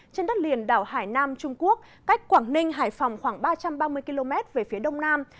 trên đất liền đảo hải nam trung quốc cách quảng ninh hải phòng khoảng ba trăm ba mươi km về phía đông nam